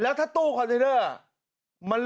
แล้วมันเข้าฝั่งคนขาดมันเป็นจังหวะเต็มเลยนะ